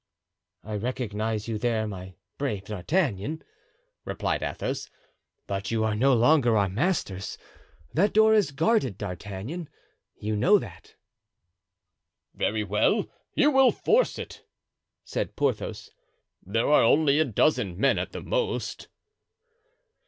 "I recognize you there, my brave D'Artagnan," replied Athos; "but you are no longer our masters. That door is guarded, D'Artagnan; you know that." "Very well, you will force it," said Porthos. "There are only a dozen men at the most."